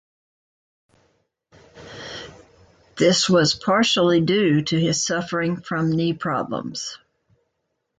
This was partially due to his suffering from knee problems.